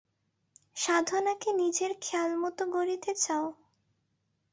সাধনাকে নিজের খেয়ালমত গড়িতে চাও?